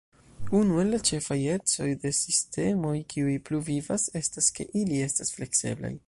Unu el la ĉefaj ecoj de sistemoj kiuj pluvivas estas ke ili estas flekseblaj.